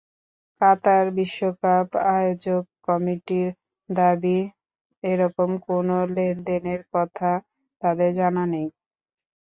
কাতার বিশ্বকাপ আয়োজক কমিটির দাবি, এরকম কোনো লেনদেনের কথা তাদের জানা নেই।